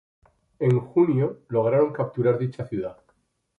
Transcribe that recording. En junio, lograron capturar dicha ciudad.